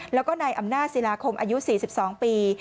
แล้วก็นายอำนาจศิลาคมอายุ๔๒ปี